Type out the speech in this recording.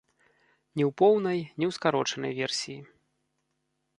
Ні ў поўнай, ні ў скарочанай версіі.